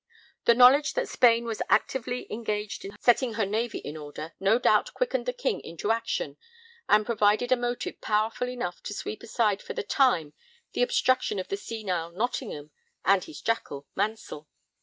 The knowledge that Spain was actively engaged in setting her navy in order no doubt quickened the King into action and provided a motive powerful enough to sweep aside for the time the obstruction of the senile Nottingham and his jackal Mansell.